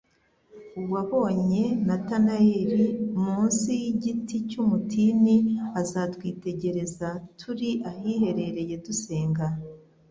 Uwabonye Natanaeli munsi y'igiti cy'umutini, azatwitegereza turi ahiherereye dusenga.